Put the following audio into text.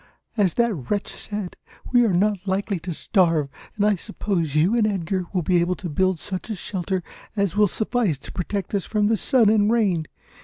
as that wretch said, we are not likely to starve; and I suppose you and Edgar will be able to build such a shelter as will suffice to protect us from the sun and rain.